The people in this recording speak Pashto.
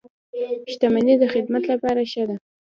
• شتمني د خدمت لپاره ښه ده.